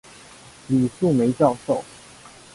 李梅树教授